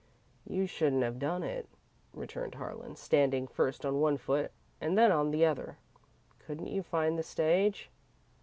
"You shouldn't have done it," returned Harlan, standing first on one foot and then on the other. "Couldn't you find the stage?"